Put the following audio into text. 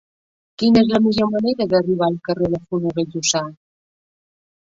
Quina és la millor manera d'arribar al carrer de Funoses Llussà?